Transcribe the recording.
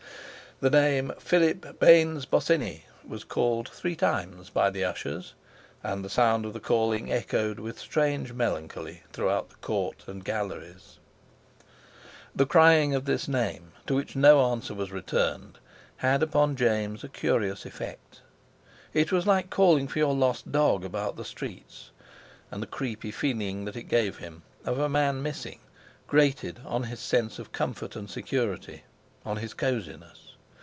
The name Philip Baynes Bosinney was called three times by the Ushers, and the sound of the calling echoed with strange melancholy throughout the Court and Galleries. The crying of this name, to which no answer was returned, had upon James a curious effect: it was like calling for your lost dog about the streets. And the creepy feeling that it gave him, of a man missing, grated on his sense of comfort and security—on his cosiness.